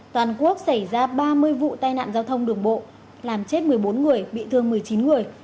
toàn quốc xảy ra ba mươi vụ tai nạn giao thông đường bộ làm chết một mươi bốn người bị thương một mươi chín người